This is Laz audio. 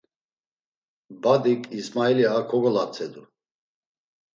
Badik, İsmailis a kogolatzedu.